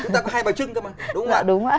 chúng ta có hai bài chưng cơ mà đúng không ạ